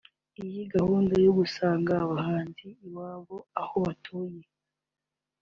Iyi gahunda yo gusanga abahanzi iwabo aho batuye